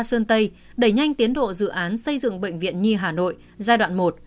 sơn tây đẩy nhanh tiến độ dự án xây dựng bệnh viện nhi hà nội giai đoạn một